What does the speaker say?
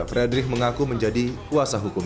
fredrik mengaku menjadi kuasa hukum